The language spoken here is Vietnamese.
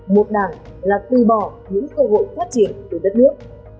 một đảng là từ bỏ những cơ hội phát triển của đất nước